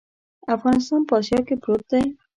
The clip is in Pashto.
افغانستان په اسیا کې پروت دی.